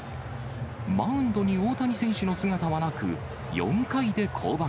マウンドに大谷選手の姿はなく、４回で降板。